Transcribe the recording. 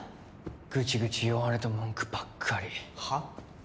グチグチ弱音と文句ばっかりはっ？